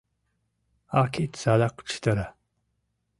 А кид садак чытыра.